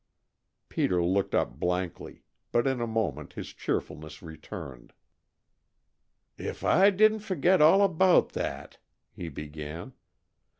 Peter looked up blankly, but in a moment his cheerfulness returned. "If I didn't forget all about that!" he began.